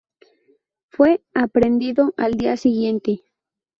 Fue aprehendido al dia siguiente.